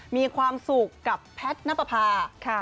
มีความสุขกับแพทนัพพา